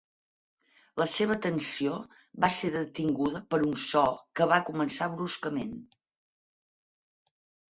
La seva atenció va ser detinguda per un so que va començar bruscament.